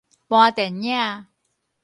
搬電影